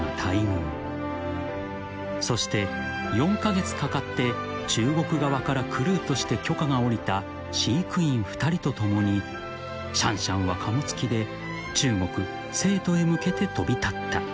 ［そして４カ月かかって中国側からクルーとして許可が下りた飼育員２人と共にシャンシャンは貨物機で中国成都へ向けて飛び立った］